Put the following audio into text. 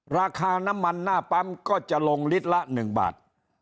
ราคาน้ำมันหน้าปั๊มก็จะลงลิตรละ๑บาท